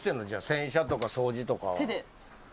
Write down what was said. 洗車とか掃除とかは。